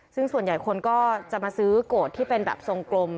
ซึ่งส่วนใหญ่คนก็จะมาซื้อโกรธที่เป็นแบบทรงกลม